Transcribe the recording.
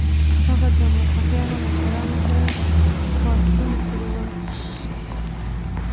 هغه د مرهټیانو مشرانو ته خواستونه کړي وه.